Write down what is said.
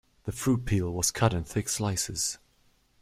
The fruit peel was cut in thick slices.